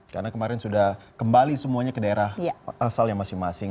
karena kemarin sudah kembali semuanya ke daerah asal yang masing masing